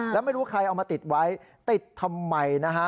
แล้วไม่รู้ใครเอามาติดไว้ติดทำไมนะฮะ